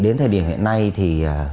đến thời điểm hiện nay thì